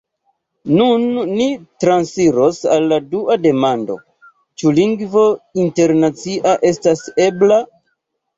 Nun ni transiros al la dua demando: « ĉu lingvo internacia estas ebla?"